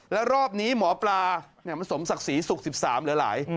แล้วรอบนี้หมอปลามันสมศักดิ์ศรีศุกร์๑๓เหลือหลาย